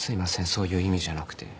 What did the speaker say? そういう意味じゃなくて。